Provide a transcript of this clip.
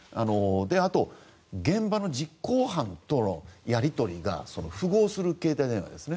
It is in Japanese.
あと、現場の実行犯とのやり取りが符合する携帯電話ですね。